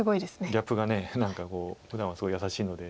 ギャップが何かふだんはすごい優しいので。